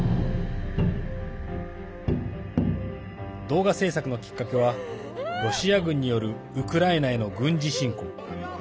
動画制作のきっかけはロシア軍によるウクライナへの軍事侵攻。